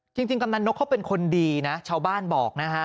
กำนันนกเขาเป็นคนดีนะชาวบ้านบอกนะฮะ